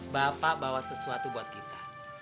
bapak bawa sesuatu buat kita